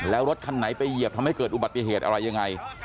แล้วรถคันไหนไปเหยียบทำให้เกิดอุบัติเหตุอะไรยังไง